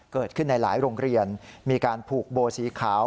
เกิดขึ้นในหลายโรงเรียนมีการผูกโบสีขาว